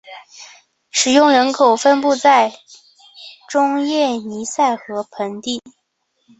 使用人口分布在中叶尼塞河盆地。